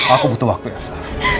aku butuh waktu elsa